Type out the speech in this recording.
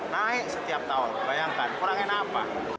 naik setiap tahun bayangkan kurangnya apa